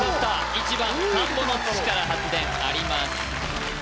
１番田んぼの土から発電あります